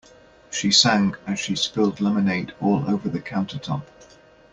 She sang as she spilled lemonade all over the countertop.